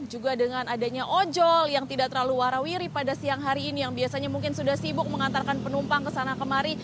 juga dengan adanya ojol yang tidak terlalu warawiri pada siang hari ini yang biasanya mungkin sudah sibuk mengantarkan penumpang ke sana kemari